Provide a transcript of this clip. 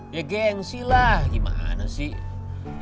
ya geng silah gimana sih